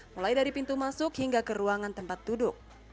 mulai dari pintu masuk hingga ke ruangan tempat duduk